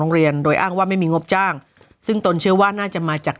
เรียนโดยอ้างว่าไม่มีงบจ้างซึ่งตนเชื่อว่าน่าจะมาจาก